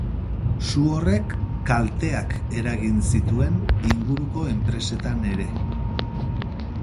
Su horrek kaleak eragin zituen inguruko enpresetan ere.